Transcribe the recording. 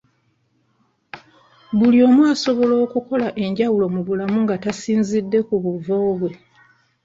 Buli omu asobola okukola enjawulo mu bulamu nga tasinzidde ku buvo bwe.